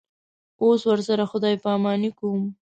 اوس ورسره خدای پاماني کوم.